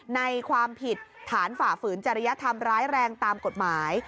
ในความผิดฐานฝ่าฝืนจริยธรรมร้ายแรงตามกฎหมาย